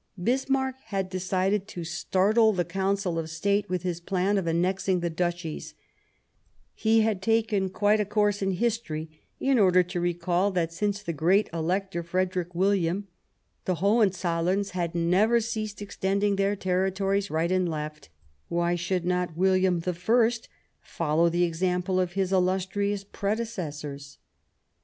Bismarck had decided to startle the Council of State with his plan of annexing the Duchies ; he had taken quite a course in history in order to recall that, since the great Elector, Frederick William, the HohenzoUerns had never ceased extend ing their territories right and left : why should not William I follow the example of his illustrious predecessors